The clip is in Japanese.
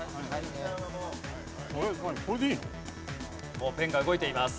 もうペンが動いています。